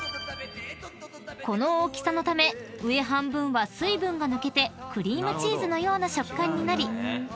［この大きさのため上半分は水分が抜けてクリームチーズのような食感になり］